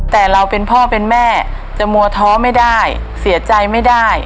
แต่เราเป็นพ่อเป็นแม่จะมัวท้อไม่ได้เสียใจไม่ได้